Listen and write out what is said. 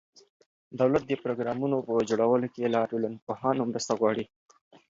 دولت د پروګرامونو په جوړولو کې له ټولنپوهانو مرسته غواړي.